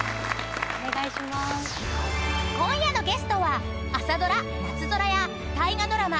［今夜のゲストは朝ドラ『なつぞら』や大河ドラマ